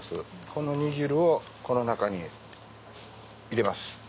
この煮汁をこの中に入れます。